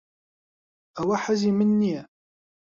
ئەوە حەزی من نییە.